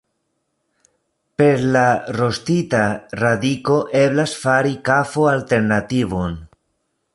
Per la rostita radiko eblas fari kafo-alternativon.